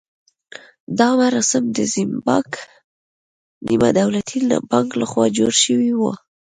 دا مراسم د زیمبانک نیمه دولتي بانک لخوا جوړ شوي وو.